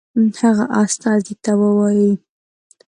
هغه استازي ته ووايي.